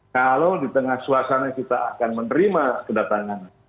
kalau di tengah suasana kita akan menerima kedatangan